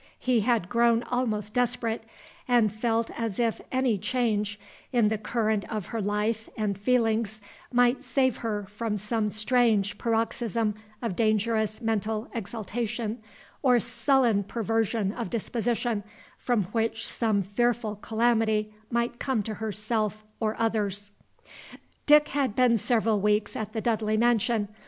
He had grown almost desperate, and felt as if any change in the current of her life and feelings might save her from some strange paroxysm of dangerous mental exaltation or sullen perversion of disposition, from which some fearful calamity might come to herself or others. Dick had been several weeks at the Dudley mansion.